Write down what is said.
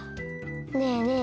ねえねえ